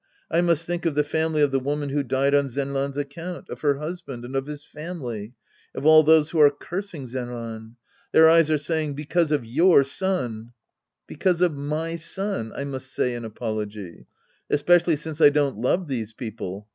I must think of the family of the woman who died on Zenran's account, of her husband, and of his family — of all those who are cursing Zenran. Their eyes are saying, " Because of your son —"" Because of my son —" I must say in apology. Especially since I don't love these people.